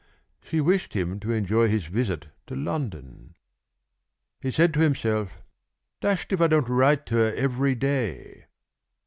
She wished him to enjoy his visit to London. He said to himself: "Dashed if I don't write to her every day!"